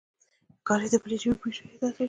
ښکاري د بلې ژوي بوی ژر احساسوي.